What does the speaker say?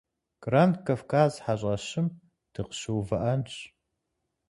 Гранд Кавказ хьэщӏэщым дыкъыщыувыӏэнщ.